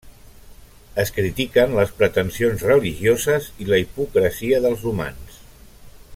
Es critiquen les pretensions religioses i la hipocresia dels humans.